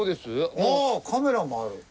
ああカメラもある。